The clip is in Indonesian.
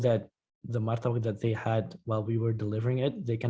saat kami menguji mereka juga bisa membelinya secara segar di tongtong fair di the hague